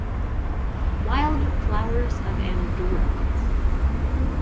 Wild Flowers of Andorra.